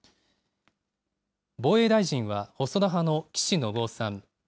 防衛大臣は細田派の岸信夫さん。